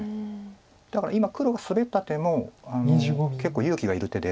だから今黒がスベった手も結構勇気がいる手で。